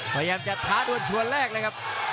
พยายามจะท้าดวนชวนแรกเลยครับ